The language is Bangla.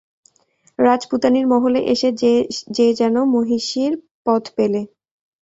রাজপুতানীর মহলে এসে যে যেন মহিষীর পদ পেলে।